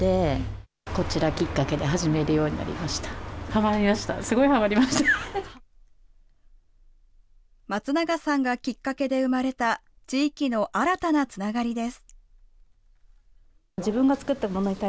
まつながさんがきっかけで生まれた、地域の新たなつながりです。